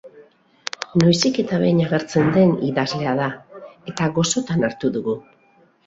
Noizik eta behin agertzen den idazlea da, eta gozotan hartu dugu.